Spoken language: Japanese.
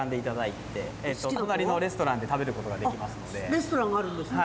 レストランがあるんですか。